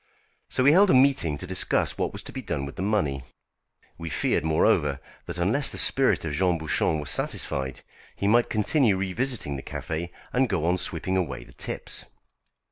So we held a meeting to discuss what was to be done with the money. We feared, moreover, that unless the spirit of Jean Bouchon were satisfied, he might continue revisiting the café and go on sweeping away the tips.